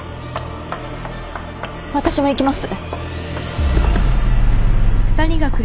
私も行きます。